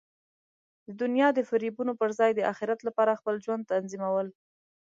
د دنیا د فریبونو پر ځای د اخرت لپاره خپل ژوند تنظیمول.